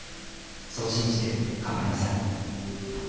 そう信じて頑張りなさい。